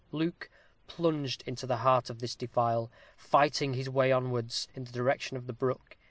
Luke plunged into the heart of this defile, fighting his way downwards, in the direction of the brook.